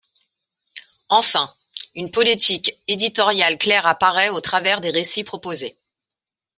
Enfin, une politique éditoriale claire apparaît au travers des récits proposés.